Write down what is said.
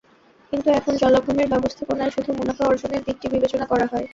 কিন্তু এখন জলাভূমির ব্যবস্থাপনায় শুধু মুনাফা অর্জনের দিকটি বিবেচনা করা হয়।